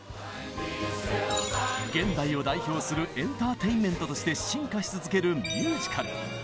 現代を代表するエンターテインメントとして進化し続けるミュージカル。